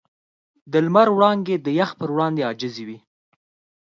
د لمر وړانګې د یخ پر وړاندې عاجزې وې.